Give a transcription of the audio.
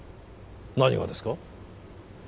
何がですか？